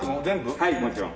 はいもちろん。